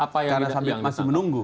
karena masih menunggu